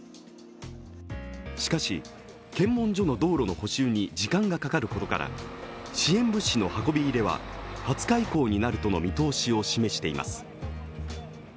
しかし、検問所の道路の補修に時間がかかることから支援物資の運び入れは２０日以降になるとの見通しを示しています。